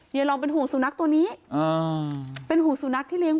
ยายลองเป็นห่วงสุนัขตัวนี้เป็นห่วงสุนัขที่เลี้ย